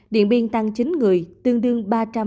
điện biên tăng chín người tương đương ba trăm linh